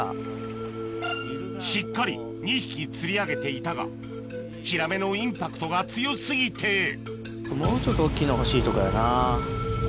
しっかり２匹釣り上げていたがヒラメのインパクトが強過ぎてもうちょっと大きいのが欲しいとこやな。